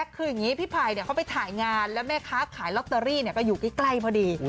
คืออย่างนี้พี่ไผ่เขาไปถ่ายงานแล้วแม่ค้าขายลอตเตอรี่ก็อยู่ใกล้พอดี